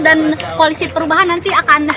koalisi perubahan nanti akan